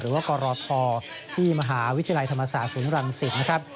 หรือว่ากรทที่มหาวิทยาลัยธรรมศาสตร์ศูนย์รังสิตนะครับ